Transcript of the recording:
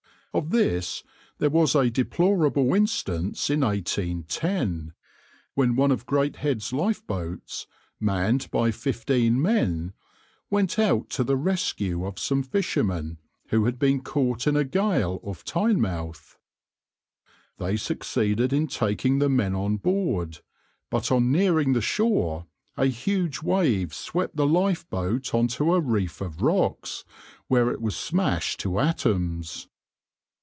Of this there was a deplorable instance in 1810, when one of Greathead's lifeboats, manned by fifteen men, went out to the rescue of some fishermen who had been caught in a gale off Tynemouth. They succeeded in taking the men on board, but on nearing the shore a huge wave swept the lifeboat on to a reef of rocks, where it was smashed to atoms.